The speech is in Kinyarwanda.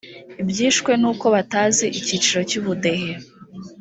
byishwe n’uko batazi icyiciro cy’ubudehe